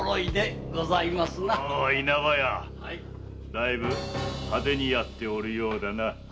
だいぶ派手にやっておるようだな。